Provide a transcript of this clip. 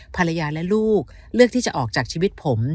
ภรรยาและลูกเลือกที่จะออกจากชีวิตผม